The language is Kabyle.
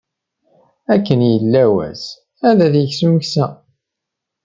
Akken yella wass, ad t-iks umeksa.